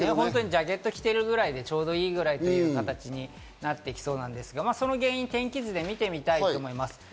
ジャケットを着ているぐらいで、ちょうどいいという形になっていきそうですが、その原因を天気図で見てみたいと思います。